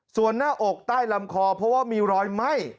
ส่วนหน้าอกใต้ลำคอเพราะว่ามีรอยไหม้